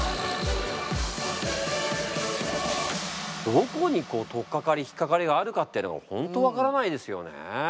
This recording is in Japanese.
どこに取っかかり引っかかりがあるかっていうのは本当分からないですよね。